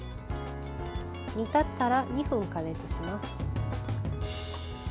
煮立ったら２分加熱します。